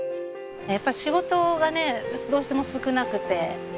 やっぱ仕事がねどうしても少なくて。